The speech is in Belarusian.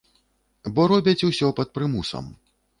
Бо робяць усё пад прымусам.